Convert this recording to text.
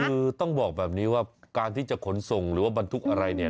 คือต้องบอกแบบนี้ว่าการที่จะขนส่งหรือว่าบรรทุกอะไรเนี่ย